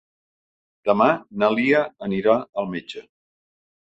Demà na Lia anirà al metge.